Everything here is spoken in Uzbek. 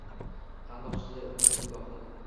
Qandoq chizay uning nigohi